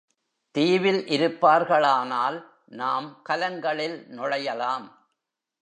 தீவில் இருப்பார்களானால் நாம் கலங்களில் நுழையலாம்.